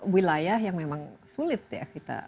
wilayah yang memang sulit ya kita